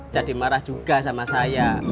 jadi marah juga sama saya